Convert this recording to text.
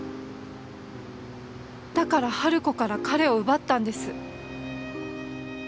だから春子から彼を奪ったんです。